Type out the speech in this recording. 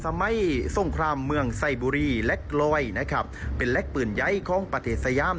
สมัยสงครามเมืองไซบุรีและกลอยนะครับเป็นแลกปืนใยของประเทศสยาม